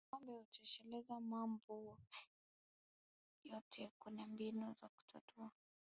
Kwa ngombe hutosheleza mambo yote kuna mbinu za kutatua